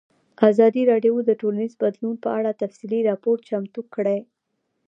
ازادي راډیو د ټولنیز بدلون په اړه تفصیلي راپور چمتو کړی.